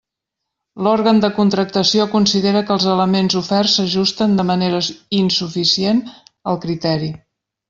L'òrgan de contractació considera que els elements oferts s'ajusten de manera insuficient al criteri.